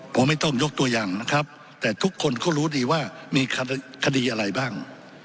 ผมไม่ต้องยกตัวอย่างนะครับแต่ทุกคนก็รู้ดีว่ามีคดีอะไรบ้าง